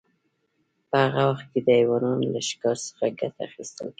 په هغه وخت کې د حیواناتو له ښکار څخه ګټه اخیستل کیده.